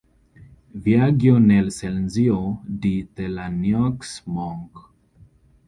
Viaggio nel silenzio di Thelonius Monk.